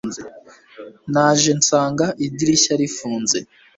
naje nsanga idirishya rifunze